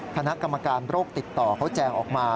คณะกรรมการโรคติดต่อเขาแจงออกมา